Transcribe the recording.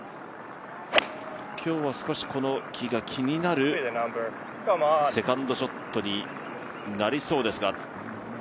今日は少し、この木が気になるセカンドショットになりそうですが。